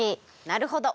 なるほど。